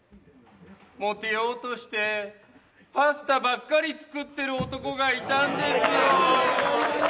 もてようとしてパスタばっかり作ってる男がいたんですよ。